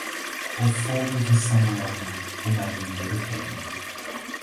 O fogo de São Elmo, o marinheiro teme.